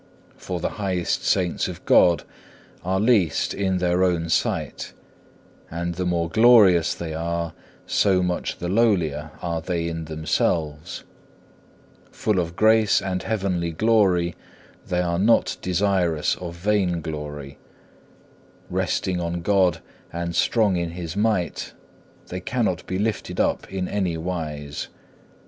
For the highest saints of God are least in their own sight, and the more glorious they are, so much the lowlier are they in themselves; full of grace and heavenly glory, they are not desirous of vain glory; resting on God and strong in His might, they cannot be lifted up in any wise.